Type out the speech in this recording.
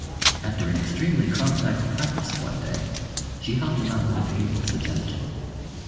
After an extremely complex preface one day, she helped him out with a painful suggestion.